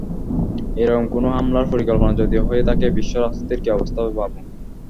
এরকম কোনো হামলার পরিকল্পনা যদি হয়ে থাকে বিশ্ব রাজনীতির কী অবস্থা হবে ভাবো।